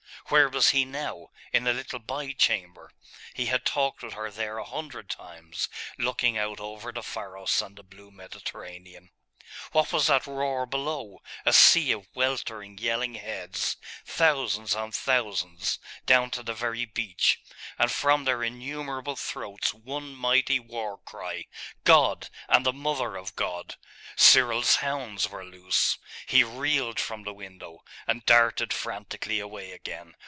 Where was he now? In a little by chamber.... He had talked with her there a hundred times, looking out over the Pharos and the blue Mediterranean.... What was that roar below? A sea of weltering yelling heads, thousands on thousands, down to the very beach; and from their innumerable throats one mighty war cry 'God, and the mother of God!' Cyril's hounds were loose.... He reeled from the window, and darted frantically away again....